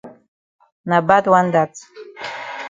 Na bad wan dat.